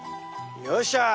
よっしゃ！